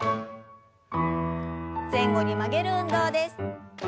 前後に曲げる運動です。